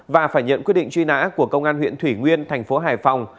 và phải nhận quyết định truy nã của công an huyện thủy nguyên thành phố hải phòng